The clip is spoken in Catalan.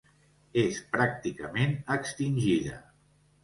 És pràcticament extingida.